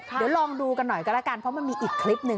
เดี๋ยวลองดูกันหน่อยก็แล้วกันเพราะมันมีอีกคลิปหนึ่ง